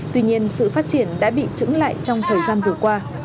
tuy nhiên sự phát triển đã bị trứng lại trong thời gian vừa qua